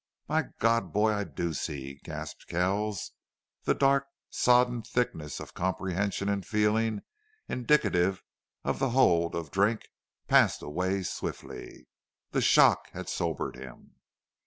"My God, boy, I DO see!" gasped Kells. That dark, sodden thickness of comprehension and feeling, indicative of the hold of drink, passed away swiftly. The shock had sobered him.